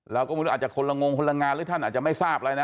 เราก็ไม่รู้อาจจะคนละงงคนละงานหรือท่านอาจจะไม่ทราบอะไรนะ